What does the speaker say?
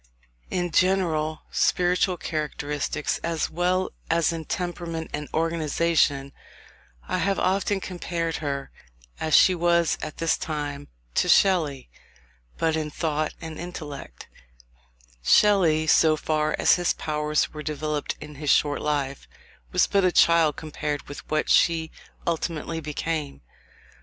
In general spiritual characteristics, as well as in temperament and organisation, I have often compared her, as she was at this time, to Shelley: but in thought and intellect, Shelley, so far as his powers were developed in his short life, was but a child compared with what she ultimately became.